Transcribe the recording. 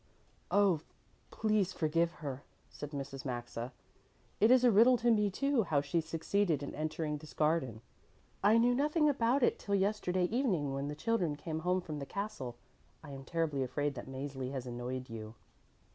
"Oh, please forgive her," said Mrs. Maxa. "It is a riddle to me, too, how she succeeded in entering this garden. I knew nothing about it till yesterday evening when the children came home from the castle. I am terribly afraid that Mäzli has annoyed you."